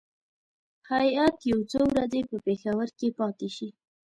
هیات یو څو ورځې په پېښور کې پاتې شي.